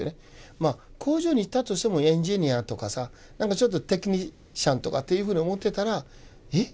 まあ工場にいたとしてもエンジニアとかさなんかちょっとテクニシャンとかっていうふうに思ってたらえっ？